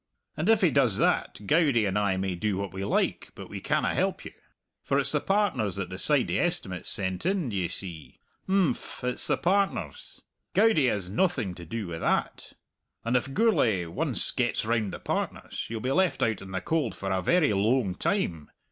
And if he does that, Goudie and I may do what we like, but we canna help you. For it's the partners that decide the estimates sent in, d'ye see? Imphm, it's the partners. Goudie has noathing to do wi' that. And if Gourlay once gets round the partners, you'll be left out in the cold for a very loang time.